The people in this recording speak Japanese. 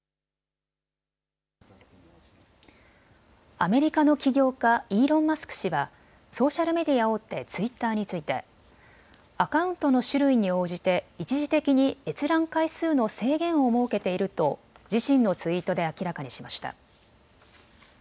アメリカの起業家、イーロン・マスク氏はソーシャルメディア大手、ツイッターについてアカウントの種類に応じて一時的に閲覧回数の制限を設けていると自身のツイートで明らかにしました。